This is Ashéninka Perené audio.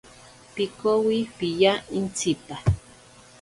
Pikowi piya intsipa.